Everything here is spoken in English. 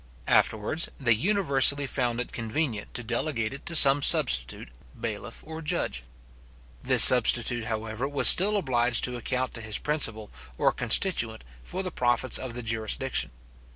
Afterwards, they universally found it convenient to delegate it to some substitute, bailiff, or judge. This substitute, however, was still obliged to account to his principal or constituent for the profits of the jurisdiction.